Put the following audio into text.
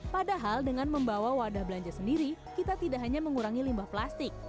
padahal dengan membawa wadah belanja sendiri kita tidak hanya mengurangi limbah plastik